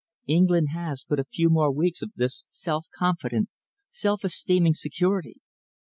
England has but a few more weeks of this self confident, self esteeming security.